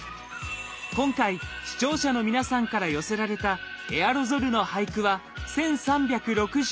今回視聴者の皆さんから寄せられたエアロゾルの俳句は１，３６９句。